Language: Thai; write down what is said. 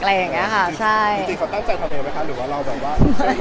จริงเขาตั้งใจทำยังไงหรือว่าเราแบบว่า